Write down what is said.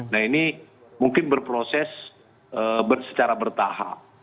nah ini mungkin berproses secara bertahap